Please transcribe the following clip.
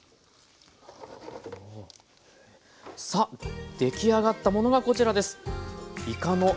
さあ出来上がったものがこちらです。